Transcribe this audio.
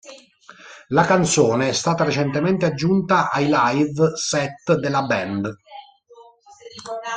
La canzone è stata recentemente aggiunta ai live set della band.